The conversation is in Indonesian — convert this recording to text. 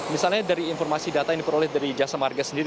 misalnya dari informasi data yang diperoleh dari jasa marga sendiri